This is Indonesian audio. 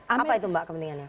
apa itu mbak kepentingannya